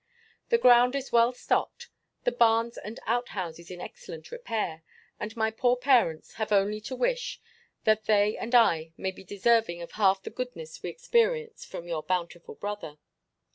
The ground is well stocked, the barns and outhouses in excellent repair; and my poor parents have only to wish, that they and I may be deserving of half the goodness we experience from your bountiful brother.